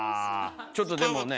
ちょっとでもね。